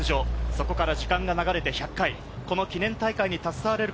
そこから時間が流れて１００回、この記念大会に携われる